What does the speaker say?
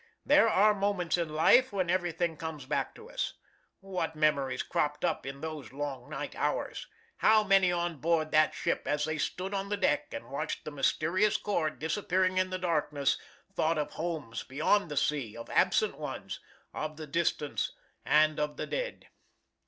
There are moments in life when everything comes back to us. What memories cropped up in those long night hours! How many on board that ship, as they stood on the deck and watched that mysterious cord disappearing in the darkness, thought of homes beyond the sea, of absent ones, of the distant and of the dead.